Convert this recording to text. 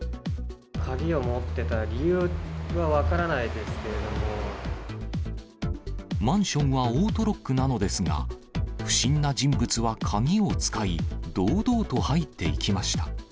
鍵を持ってた理由は分からなマンションはオートロックなのですが、不審な人物は鍵を使い、堂々と入っていきました。